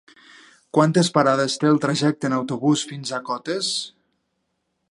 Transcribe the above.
Quantes parades té el trajecte en autobús fins a Cotes?